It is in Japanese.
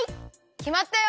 きまったよ！